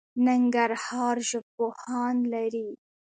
ننګرهار ژبپوهان لري